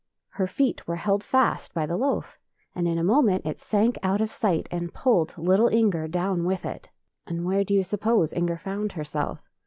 Her feet were held fast by the loaf, and in a moment it sank out of sight and pulled little Inger down with it. And where do you suppose Inger found herself?